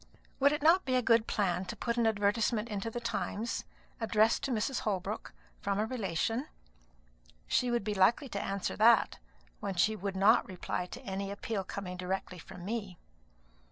"Would it not be a good plan to put an advertisement into the Times, addressed to Mrs. Holbrook, from a relation? She would be likely to answer that, when she would not reply to any appeal coming directly from me."